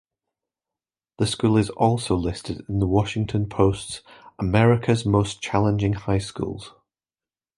The school is also listed in the Washington Post's "America's Most Challenging High Schools".